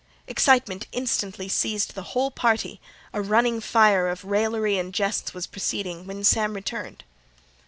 Excitement instantly seized the whole party: a running fire of raillery and jests was proceeding when Sam returned.